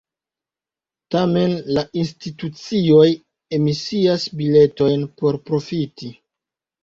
Tamen, la institucioj emisias biletojn por profiti.